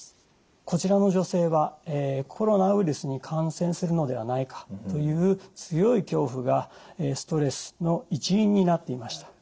こちらの女性はコロナウイルスに感染するのではないかという強い恐怖がストレスの一因になっていました。